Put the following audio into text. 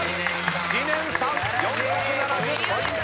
知念さん４７０ポイント！